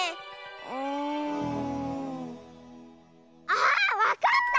あわかった！